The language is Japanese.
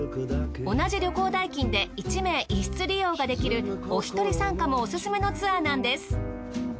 同じ旅行代金で１名１室利用ができるおひとり参加もオススメのツアーなんです。